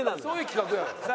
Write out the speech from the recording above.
そういう企画やろ。